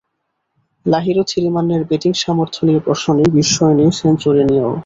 লাহিরু থিরিমান্নের ব্যাটিং সামর্থ্য নিয়ে প্রশ্ন নেই, বিস্ময় নেই সেঞ্চুরি নিয়েও।